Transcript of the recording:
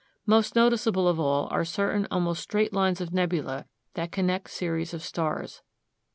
Most noticeable of all are certain almost straight lines of nebula that connect series of stars.